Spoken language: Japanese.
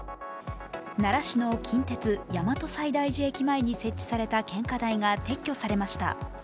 奈良市の近鉄大和西大寺駅前に設置された献花台が撤去されました。